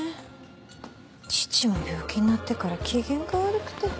父も病気になってから機嫌が悪くて。